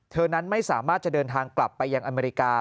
นั้นไม่สามารถจะเดินทางกลับไปยังอเมริกา